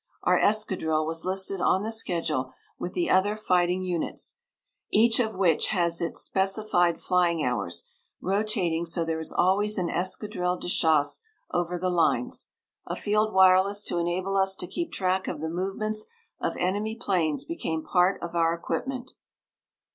Our escadrille was listed on the schedule with the other fighting units, each of which has its specified flying hours, rotating so there is always an escadrille de chasse over the lines. A field wireless to enable us to keep track of the movements of enemy planes became part of our equipment.